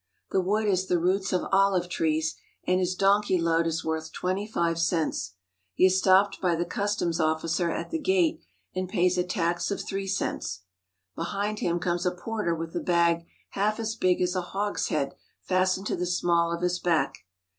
The wood is the roots of olive trees and his donkey load is worth twenty five cents. He is stopped by the customs officer at the gate and pays a tax of three cents. Behind him comes a porter with a bag half as big as a hogshead fastened to the small of his back.